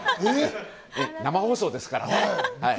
生放送ですから。